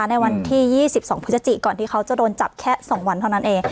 ไปแล้วนะคะในวันที่๒๒ภุษฎิก่อนที่เขาก็จะโดนจับแค่สองวันเท่านั้นเอง